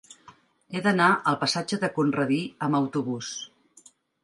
He d'anar al passatge de Conradí amb autobús.